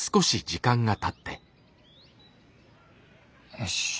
よし。